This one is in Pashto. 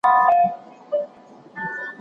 ځوانان هره ورځ نوي کتابونه لولي.